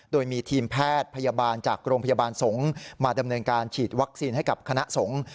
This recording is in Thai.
โดยมีทีมแพทย์พยาบาลจากโรงพยาบาลสงฆ์มาดำเนินการฉีดวัคซีนให้กับคณะสงฆ์